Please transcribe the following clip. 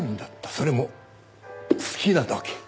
それも好きなだけ。